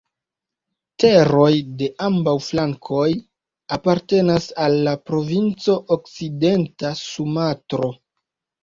Teroj de ambaŭ flankoj apartenas al la provinco Okcidenta Sumatro.